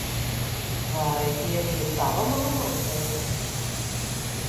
Vai tie bija tava mamma un tētis?